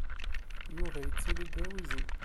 Yuba yettili-d d awizi.